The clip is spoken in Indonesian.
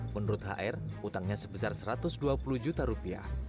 menurut hr utangnya sebesar satu ratus dua puluh juta rupiah